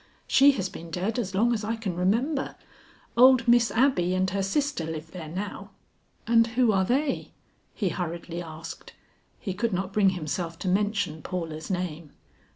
"She has been dead as long as I can remember. Old Miss Abby and her sister live there now." "And who are they?" he hurriedly asked; he could not bring himself to mention Paula's name.